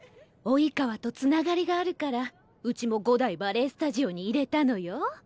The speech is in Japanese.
「生川」とつながりがあるからうちも五代バレエスタジオに入れたのよ。